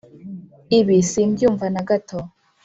ibi simbyumva na gato.